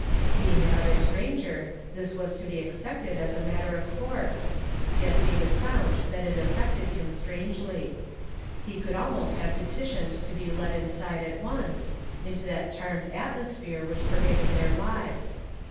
Being an utter stranger, this was to l)e expected as a matter of course ; yet David found that it affected him strangely. He could I I ! I "T WILL SKKK HIM. 141 almost have petitioiuul to hv, let iiisido at once, into that channcd atinnsphi'ie whi* h pervaded thi'ir lives.